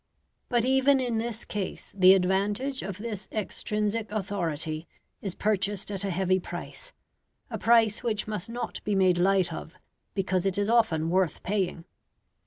But even in this case the advantage of this extrinsic authority is purchased at a heavy price a price which must not be made light of, because it is often worth paying.